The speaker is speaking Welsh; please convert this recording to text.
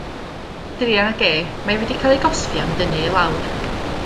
Druan ag e, mae e wedi cael ei gosbi am dynnu i lawr.